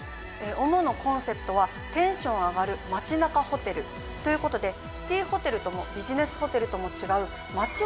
ＯＭＯのコンセプトは「テンションあがる街ナカホテル」ということでシティーホテルともビジネスホテルとも違う。